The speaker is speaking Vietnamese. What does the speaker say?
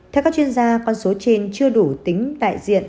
theo các chuyên gia con số trên chưa đủ tính đại diện